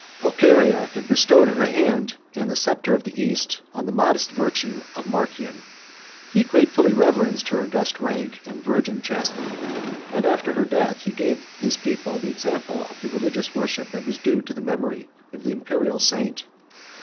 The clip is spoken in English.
Pulcheria had bestowed her hand, and the sceptre of the East, on the modest virtue of Marcian: he gratefully reverenced her august rank and virgin chastity; and, after her death, he gave his people the example of the religious worship that was due to the memory of the Imperial saint.